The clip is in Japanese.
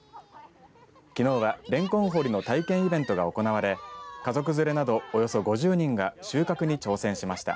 きのうは、れんこん掘りの体験イベントが行われ家族連れなどおよそ５０人が収穫に挑戦しました。